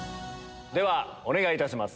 ではお願いいたします。